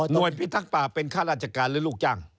โดยพิทักษ์ป่าเป็นข้าราชการหรือลูกจ้าง